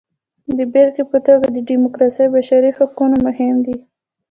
د بېلګې په توګه ډیموکراسي او بشري حقونه مهم دي.